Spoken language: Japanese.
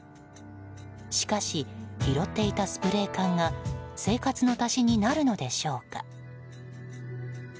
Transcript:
しかし、拾っていたスプレー缶が生活の足しになるのでしょうか？